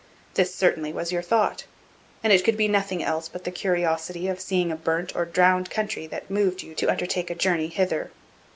This certainly was your thought; and it could be nothing else but the curiosity of seeing a burnt or drowned country that moved you to undertake a journey hither.